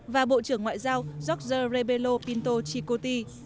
và bộ trưởng ngoại giao george rebello pinto chikoti